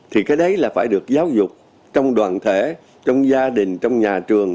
thì cái đấy là phải được giáo dục trong đoàn thể trong gia đình trong nhà trường